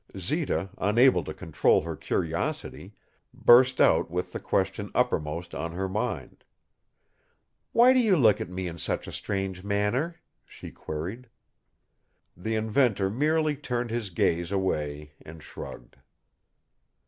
Zita, unable to control her curiosity, burst out with the question uppermost on her mind. "Why do you look at me in such a strange manner?" she queried. The inventor merely turned his gaze away and shrugged.